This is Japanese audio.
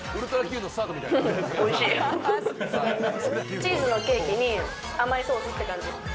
チーズのケーキに甘いソースって感じ。